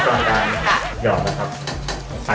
ยังไงลบคนดึงหางตาให้ไปต่อ